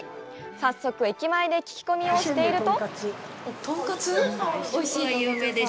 早速、駅前で聞き込みをしていると。